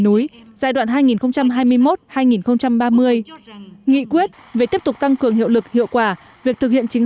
núi giai đoạn hai nghìn hai mươi một hai nghìn ba mươi nghị quyết về tiếp tục tăng cường hiệu lực hiệu quả việc thực hiện chính